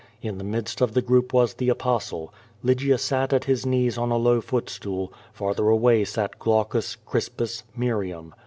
In the midst of the group was the Apostle. Lygia sat at his knees QVO VADI8. 199 on a low footstool, farther away sat Glaucus, Crispus, Miriam.